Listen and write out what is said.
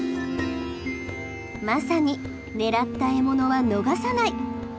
まさに狙った獲物は逃さない。